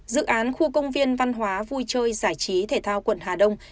dự án khu công viên văn hóa vui chơi giải trí thể thao quận hà đông